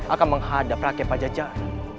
akan menghadap rakyat pajajara